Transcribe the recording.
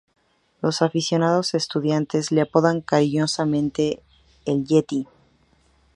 Los aficionados de Estudiantes le apodaban cariñosamente "el Yeti".